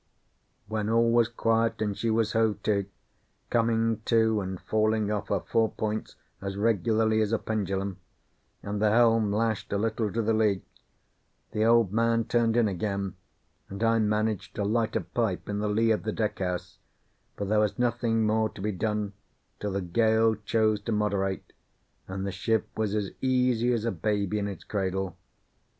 When all was quiet, and she was hove to, coming to and falling off her four points as regularly as a pendulum, and the helm lashed a little to the lee, the Old Man turned in again, and I managed to light a pipe in the lee of the deck house, for there was nothing more to be done till the gale chose to moderate, and the ship was as easy as a baby in its cradle.